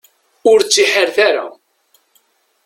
Ur ttihiyet ara.